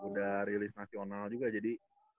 udah rilis nasional juga jadi